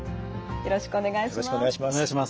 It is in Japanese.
よろしくお願いします。